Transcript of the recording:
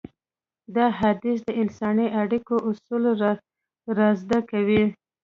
دا حديث د انساني اړيکو اصول رازده کوي.